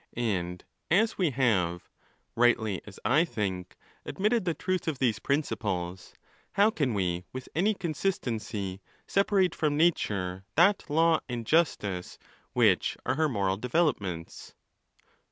And as we have, rightly as I think, admitted the truth of these principles, how can we, with any consistency, separate from nature that law and justice which are her moral developments